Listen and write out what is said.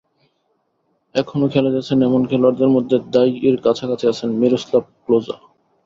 এখনো খেলে যাচ্ছেন এমন খেলোয়াড়দের মধ্যে দাইয়ির কাছাকাছি আছেন মিরোস্লাভ ক্লোসা।